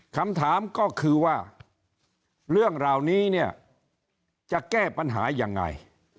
คำถามก็คือว่าเรื่องเหล่านี้เนี่ยจะแก้ปัญหายังไง